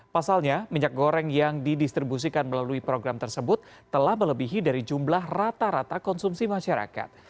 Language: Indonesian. pasalnya minyak goreng yang didistribusikan melalui program tersebut telah melebihi dari jumlah rata rata konsumsi masyarakat